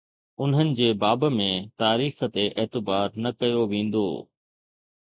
انهن جي باب ۾ تاريخ تي اعتبار نه ڪيو ويندو.